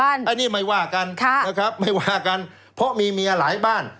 อันนี้ไม่ว่ากันนะครับไม่ว่ากันเพราะมีเมียหลายบ้าน